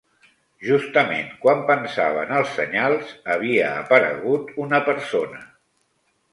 Justament quan pensava en els senyals, havia aparegut una persona.